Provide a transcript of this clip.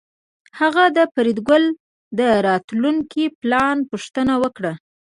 هغه د فریدګل د راتلونکي پلان پوښتنه وکړه